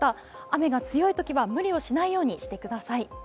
雨が強いときは無理をしないようにしてください。